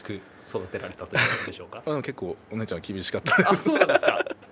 結構お姉ちゃんは厳しかったです。